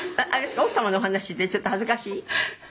奥様のお話ってちょっと恥ずかしい？」